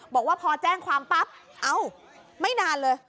บอกว่าพอแจ้งความปั๊บเอ้าไม่นานเลย